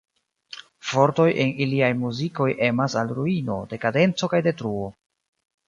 Vortoj en iliaj muzikoj emas al ruino, dekadenco kaj detruo.